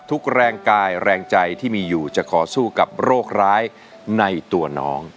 แรงกายแรงใจที่มีอยู่จะขอสู้กับโรคร้ายในตัวน้อง